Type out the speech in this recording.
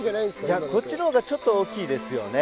いやこっちのほうがちょっと大きいですよね？